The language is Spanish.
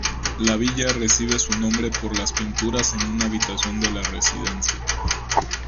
La Villa recibe su nombre por las pinturas en una habitación de la residencia.